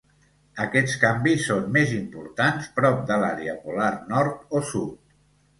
Aquests canvis són més importants prop de l'àrea polar nord o sud.